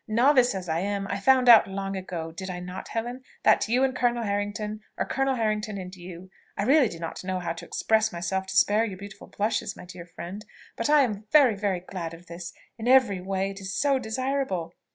"Novice as I am, I found out long ago did I not, Helen? that you and Colonel Harrington, or Colonel Harrington and you I really do not know how to express myself to spare your beautiful blushes, my dear friend, but I am very, very glad of this in every way it is so desirable.